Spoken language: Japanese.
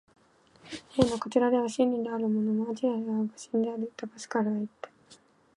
「ピレネーのこちらでは真理であるものも、あちらでは誤謬である」、とパスカルはいった。